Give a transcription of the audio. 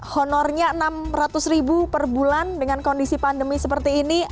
honornya rp enam ratus ribu per bulan dengan kondisi pandemi seperti ini